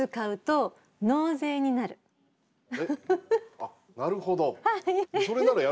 あっなるほど。